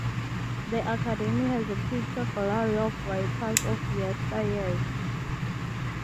The Akademi has a picture gallery of writers of yester years.